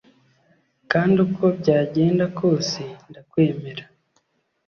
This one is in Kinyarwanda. Kandi uko byagenda kose ndakwemera